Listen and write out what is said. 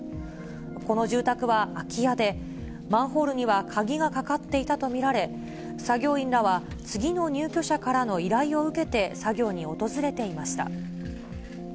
この住宅は空き家で、マンホールには鍵がかかっていたと見られ、作業員らは次の入居者からの依頼を受けて作業に訪れていました。